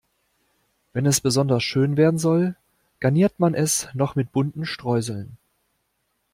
Wenn es besonders schön werden soll, garniert man es noch mit bunten Streuseln.